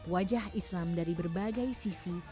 wajah islam dari berbagai sisi